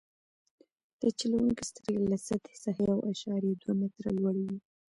د چلوونکي سترګې له سطحې څخه یو اعشاریه دوه متره لوړې وي